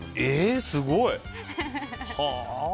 え、すごい。